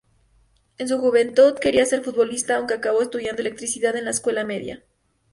En su juventud quería ser futbolista, aunque acabó estudiando electricidad en la escuela media.